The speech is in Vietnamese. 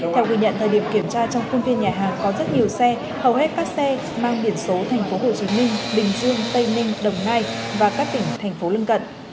theo quy nhận thời điểm kiểm tra trong khuôn phiên nhà hàng có rất nhiều xe hầu hết các xe mang biển số thành phố hồ chí minh bình dương tây ninh đồng nai và các tỉnh thành phố lưng cận